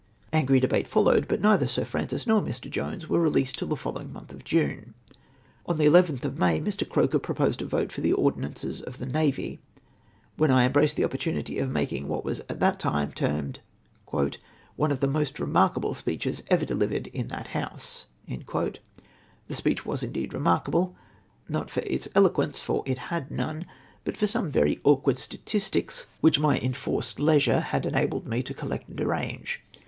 Angry debate followed, but neither Sir Francis nor Mr. Jones were released till the following month of June. On the 11 til of May Mr. Croker proposed a vote for the ordinances of the Navy, when I embraced the opportunity of making what was at the time termed " one of the most remarkable speeches ever delivered in that House." The speech indeed was remarkable — not for its eloquence, for it had none, but for some very awkward statistics which my enforced leisure had enabled me to collect and arrange.